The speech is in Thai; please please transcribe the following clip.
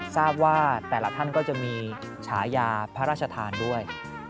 ทราบว่าแต่ละท่านก็จะมีฉายาพระราชทานด้วย